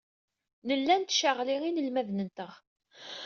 Nella nettcaɣli inelmaden-nteɣ.